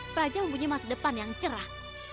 praja mempunyai masa depan yang cerah